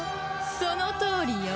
そのとおりよ。